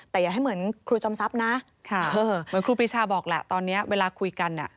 แต่อย่าให้เหมือนครูจอมทรัพย์นะเหมือนครูปรีชาบอกแหละตอนนี้เวลาคุยกัน